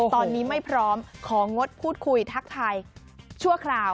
ตอนนี้ไม่พร้อมของงดพูดคุยทักทายชั่วคราว